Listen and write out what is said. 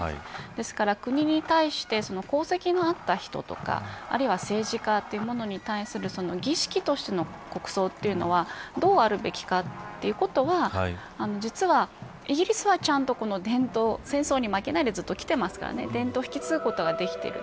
ですから国に対して功績のあった人とかあるいは政治家というものに対する儀式としての国葬というのはどうあるべきかということは実は、イギリスはちゃんと伝統戦争に負けないできてますから伝統を引き継ぐことができている。